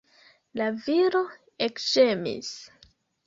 La viro ekĝemis.